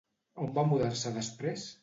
On va mudar-se després?